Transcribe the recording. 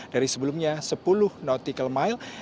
dari sebelumnya sepuluh notaris